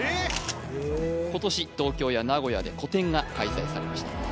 今年東京や名古屋で個展が開催されました